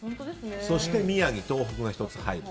そして宮城、東北が１つ入る。